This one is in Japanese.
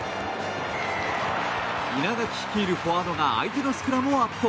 稲垣率いるフォワードが相手のスクラムを圧倒。